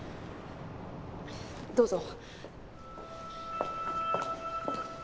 どうぞ。